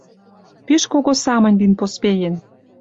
Пиш кого самынь лин поспеен.